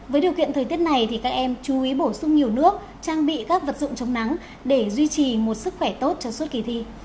với điều kiện thời tiết này thì các em chú ý bổ sung nhiều nước trang bị các vật dụng chống nắng để duy trì một sức khỏe tốt cho suốt kỳ thi